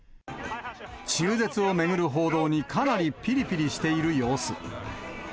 中絶を巡る報道にかなりぴりぴりしている様子。